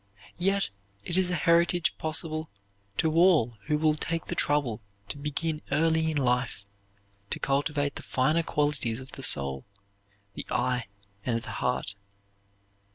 Yet it is a heritage possible to all who will take the trouble to begin early in life to cultivate the finer qualities of the soul, the eye, and the heart.